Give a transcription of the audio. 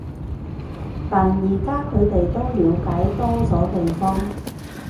但而家佢哋都了解多咗對方